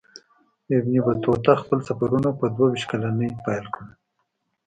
ابن بطوطه خپل سفرونه په دوه ویشت کلنۍ پیل کړي.